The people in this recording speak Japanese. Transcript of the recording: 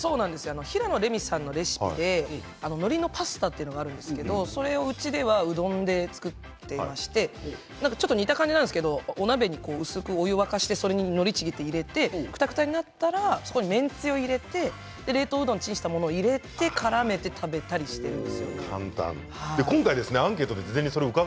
平野レミさんのレシピでのりのパスタっていうのがあるんですけれども、それをうちではうどんで作っていまして似た感じなんですけれどもお鍋に薄くお湯を沸かしてのりを、ちぎって入れてくたくたになったらめんつゆを入れてレンチンした冷凍うどんを入れてのりをからめて食べていると。